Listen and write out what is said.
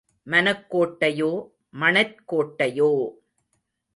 மனக் கோட்டையோ மணற்கோட்டையோ!